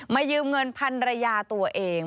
ยืมเงินพันรยาตัวเอง